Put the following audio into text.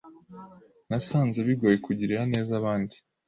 Nasanze bigoye kugirira neza abandi.